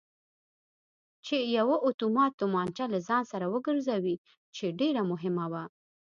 چې یوه اتومات تومانچه له ځان سر وګرځوي چې ډېره مهمه وه.